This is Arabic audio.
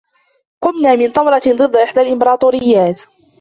قمنا من ثورة ضد إحدى الإمبراطوريات.